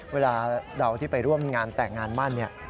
เวลาเราที่ไปร่วมงานแต่งงานมั่นเนี่ย